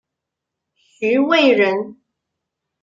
徐渭人。